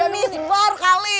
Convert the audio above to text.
miss bar kali